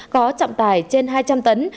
có trọng tài trên hai trăm linh tấn